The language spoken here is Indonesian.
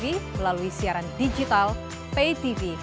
melalui siaran digital pay tv